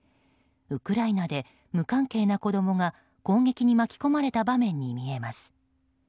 ウクライナで無関係な子供が攻撃に巻き込まれた場面に見えます。